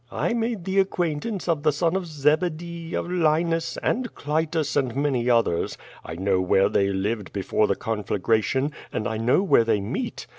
I made the acquaintance of the son of Zebedee, of Linus, and Clitus, and many others. I know where they lived before the conflagration, and I know where they meet.